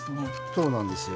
そうなんですよ。